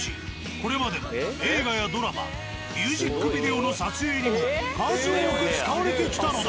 これまで映画やドラマミュージックビデオの撮影にも数多く使われてきたのだ。